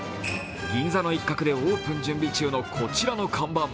銀座の一角でオープン準備中のこちらの看板。